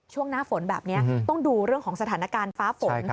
ช่วงหน้าฝนแบบนี้ต้องดูสถานการณ์ฟ้าฝน